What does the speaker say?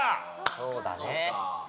そうだね。